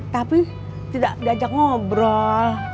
tapi tidak diajak ngobrol